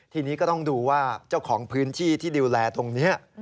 ทีนี้ก็ต้องดูว่าเจ้าของพื้นที่ที่ดูแลตรงนี้